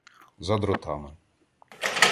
За дротами.